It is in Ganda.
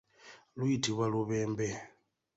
Luyitibwa lubembe.